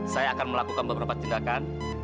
saya akan melakukan beberapa tindakan